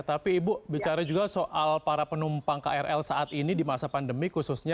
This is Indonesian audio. tapi ibu bicara juga soal para penumpang krl saat ini di masa pandemi khususnya